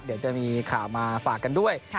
เดี๋ยวจะมีข่าวมาฝากกันด้วย